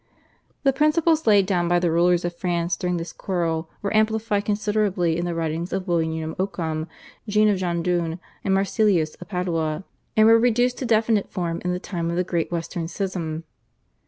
The principles laid down by the rulers of France during this quarrel were amplified considerably in the writings of William of Occam, Jean of Jandun, and Marsilius of Padua, and were reduced to definite form in the time of the Great Western Schism.